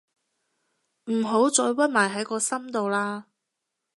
唔好再屈埋喺個心度喇